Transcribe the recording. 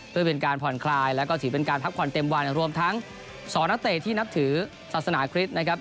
เพื่อเป็นการผ่อนคลายแล้วก็ถือเป็นการพักผ่อนเต็มวันรวมทั้ง๒นักเตะที่นับถือศาสนาคริสต์นะครับ